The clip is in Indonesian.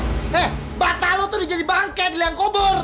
eh bapak lo tuh dijadi bangke diliang kubur